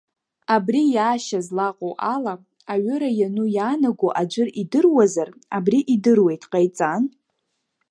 Абри иаашьа злаҟоу ала, аҩыра иану иаанаго аӡәыр идыруазар, абри идыруеит ҟаиҵан…